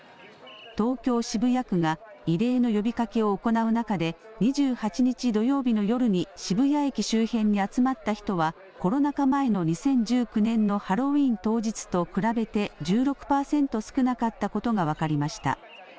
東京・渋谷区が異例の呼びかけを行う中で、２８日土曜日の夜に、渋谷駅周辺に集まった人は、コロナ禍前の２０１９年のハロウィーン当日と比べて１６％少なかったことが分かりました。